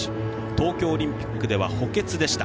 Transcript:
東京オリンピックでは補欠でした。